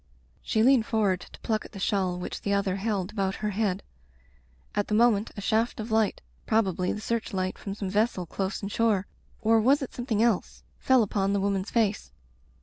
She leaned forward to pluck at the shawl which the other held about her head. At the moment a shaft of light, probably the search light from some vessel close inshore — or was it something else ?— ^fell upon the woman's face.